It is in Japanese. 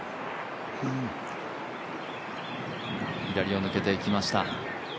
左を抜けていきました。